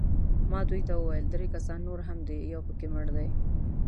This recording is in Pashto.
ما دوی ته وویل: درې کسان نور هم دي، یو پکښې مړ دی.